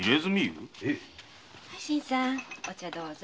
新さんお茶どうぞ。